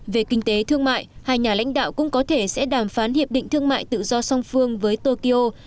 về kinh tế thương mại hai nhà lãnh đạo cũng có thể sẽ đàm phán hiệp định thương mại tự do song phương với tokyo